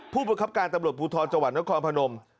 ผู้บริคับการตำรวจภูทรจังหวัดและคลอนพนม